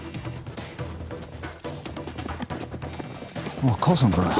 あっ母さんからだ。